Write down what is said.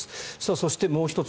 そして、もう１つ